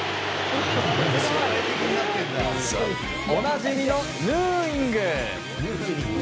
おなじみのヌーイング。